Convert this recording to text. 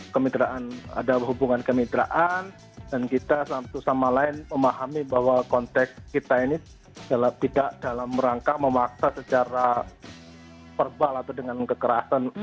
kemitraan ada hubungan kemitraan dan kita satu sama lain memahami bahwa konteks kita ini tidak dalam rangka memaksa secara verbal atau dengan kekerasan